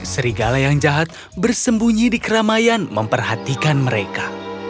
serigala yang jahat bersembunyi di keramaian memperhatikan mereka